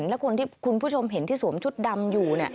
และคนที่คุณผู้ชมเห็นที่สวมชุดดำอยู่